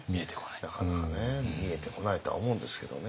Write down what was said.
なかなかね見えてこないとは思うんですけどね。